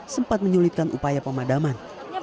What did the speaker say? sempat menyulitkan upaya pemadaman